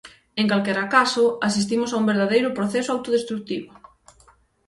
En calquera caso, asistimos a un verdadeiro proceso autodestrutivo.